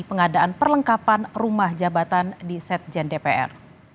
pengadaan perlengkapan rumah jabatan di setjen dpr